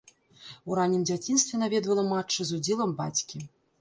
У раннім дзяцінстве наведвала матчы з удзелам бацькі.